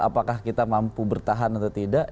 apakah kita mampu bertahan atau tidak